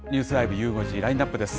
ゆう５時、ラインナップです。